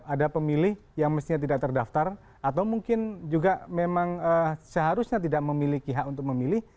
ada pemilih yang mestinya tidak terdaftar atau mungkin juga memang seharusnya tidak memiliki hak untuk memilih